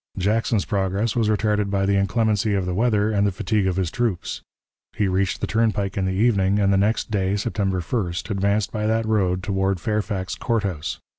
Jackson's progress was retarded by the inclemency of the weather and the fatigue of his troops. He reached the turnpike in the evening, and the next day (September 1st) advanced by that road toward Fairfax Court House.